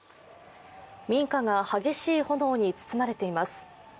民家が激しい炎に包まれています。